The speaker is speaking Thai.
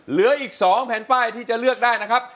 เหลืออีก๒แผ่นป้ายที่จะเลือกได้นะครับ